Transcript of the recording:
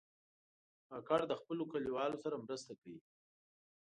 کاکړ د خپلو کلیوالو سره مرسته کوي.